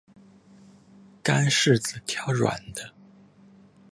干柿子挑软的